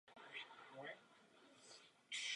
Dochované tvrziště má průměr asi čtyřicet metrů.